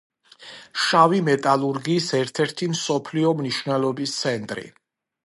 შავი მეტალურგიის ერთ-ერთი მსოფლიო მნიშვნელობის ცენტრი.